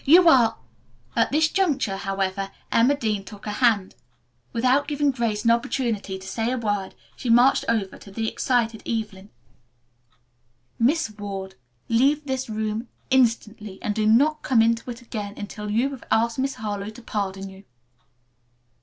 You are " At this juncture, however, Emma Dean took a hand. Without giving Grace an opportunity to say a word she marched over to the excited Evelyn. "Miss Ward, leave this room instantly, and do not come into it again until you have asked Miss Harlowe to pardon you."